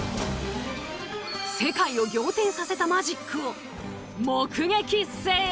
世界を仰天させたマジックを目撃せよ！